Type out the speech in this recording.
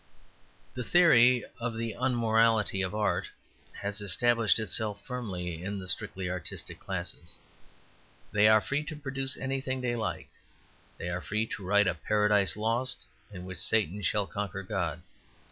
The theory of the unmorality of art has established itself firmly in the strictly artistic classes. They are free to produce anything they like. They are free to write a "Paradise Lost" in which Satan shall conquer God.